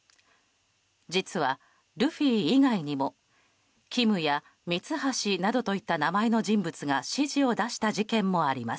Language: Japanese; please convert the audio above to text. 実は、ルフィ以外にもキムやミツハシなどといった名前の人物が指示を出した事件もあります。